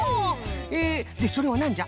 ええでそれはなんじゃ？